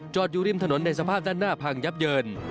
อยู่ริมถนนในสภาพด้านหน้าพังยับเยิน